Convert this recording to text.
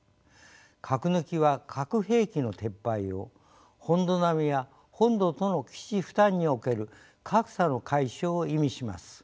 「核抜き」は核兵器の撤廃を「本土並み」は本土との基地負担における格差の解消を意味します。